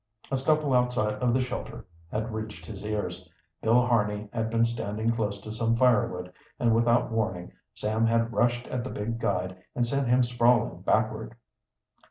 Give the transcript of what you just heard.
A scuffle outside of the shelter had reached his ears. Bill Harney had been standing close to some firewood, and without warning Sam had rushed at the big guide and sent him sprawling backward.